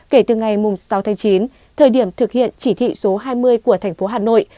kể từ ngày sáu tháng chín thời điểm thực hiện chỉ thị số hai mươi của thành phố hà nội